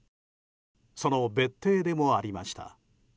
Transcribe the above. その別邸でもありました。